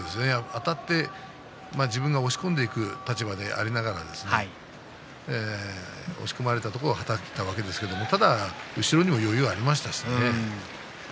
あたって自分が押し込んでいく立場でありながら押し込まれたところをはたいたわけですけどただ後ろにも余裕がありましたしね。